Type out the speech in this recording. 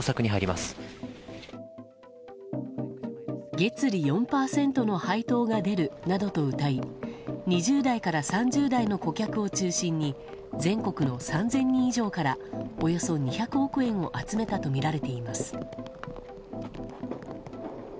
月利４％の配当が出るなどとうたい２０代から３０代の顧客を中心に全国の３０００人以上からおよそ２００億円を集めたとみられています。